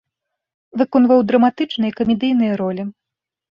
Выконваў драматычныя і камедыйныя ролі.